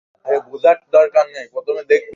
যার কারণে এই দিকটা মুসলমানদের নিরাপদ থাকে।